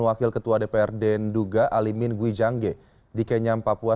wakil ketua dprd nduga alimin gwijangge di kenyam papua